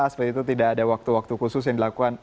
seperti itu tidak ada waktu waktu khusus yang dilakukan